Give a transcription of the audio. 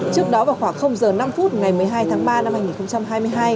trước đó vào khoảng h năm phút ngày một mươi hai tháng ba năm hai nghìn hai mươi hai